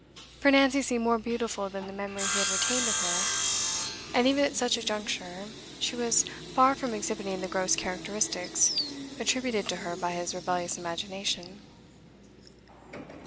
For Nancy seemed more beautiful than the memory he had retained of her, and even at such a juncture she was far from exhibiting the gross characteristics attributed to her by his rebellious imagination.